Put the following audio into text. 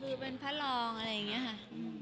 ดูเป็นพระรองอะไรอย่างนี้ค่ะ